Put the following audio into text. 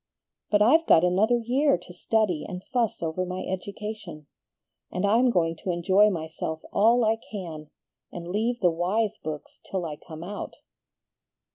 But I've got another year to study and fuss over my education, and I'm going to enjoy myself all I can, and leave the wise books till I come out."